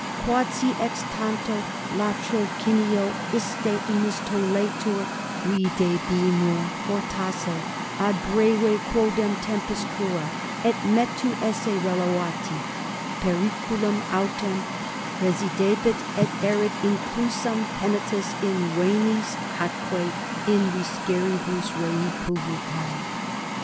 Quodsi ex tanto latrocinio iste unus tolletur, videbimur fortasse ad breve quoddam tempus cura et metu esse relevati, periculum autem residebit et erit inclusum penitus in venis atque in visceribus rei publicae.